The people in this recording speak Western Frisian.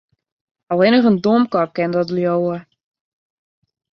Allinnich in domkop kin dat leauwe.